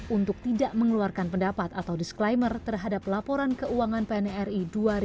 untuk tidak mengeluarkan pendapat atau disclaimer terhadap laporan keuangan pnri dua ribu dua puluh